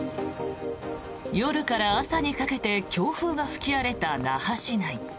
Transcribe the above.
夜から朝にかけて強風が吹き荒れた那覇市内。